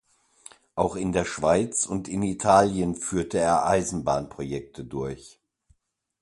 Auch in der Schweiz und in Italien führte er Eisenbahnprojekte durch.